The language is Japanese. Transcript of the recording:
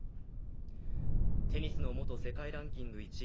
テニスの元世界ランキング１位